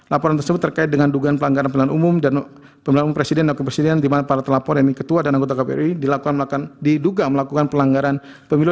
laporan tersebut terkait dengan dugaan pelanggaran pemilu dan wakil presiden dan wakil presiden di mana terlapor yakni ketua dan anggota kprd diduga melakukan pelanggaran pemilu